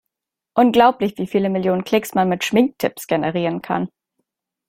Unglaublich, wie viele Millionen Klicks man mit Schminktipps generieren kann!